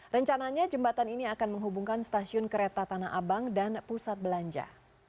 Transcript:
rencananya jembatan ini akan menghubungkan stasiun kereta tanah abang dan pusat belanja